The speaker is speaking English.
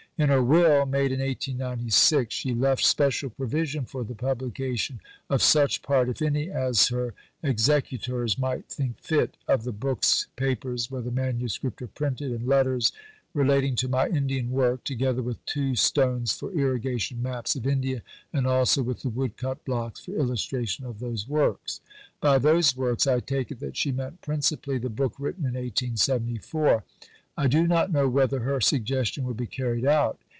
In her Will, made in 1896, she left special provision for the publication of "such part, if any," as her executors might think fit, of the "books, papers (whether manuscript or printed), and letters relating to my Indian work (together with two stones for Irrigation maps of India, and also with the woodcut blocks for illustration of those works)." By "those works" I take it that she meant principally the book written in 1874. I do not know whether her suggestion will be carried out.